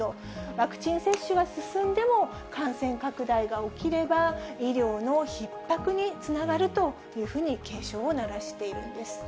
ワクチン接種が進んでも、感染拡大が起きれば、医療のひっ迫につながるというふうに警鐘を鳴らしているんです。